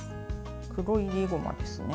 黒いりごまですね。